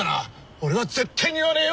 俺は絶対に言わねえよ。